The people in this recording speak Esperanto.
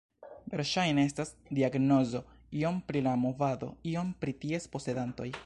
Verŝajne estas diagnozo iom pri la movado, iom pri ties posedantoj.